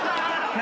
何？